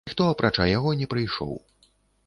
Ніхто, апрача яго, не прыйшоў.